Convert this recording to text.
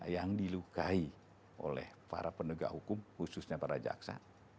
yang dilukai oleh para penegak hukum khususnya para jaksa